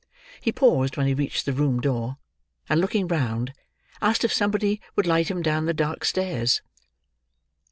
He paused when he reached the room door, and looking round, asked if somebody would light him down the dark stairs.